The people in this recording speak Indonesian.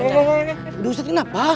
dengkul anak kenapa